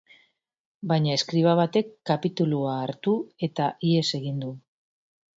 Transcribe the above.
Baina, eskriba batek kapitulua hartu eta ihes egingo du.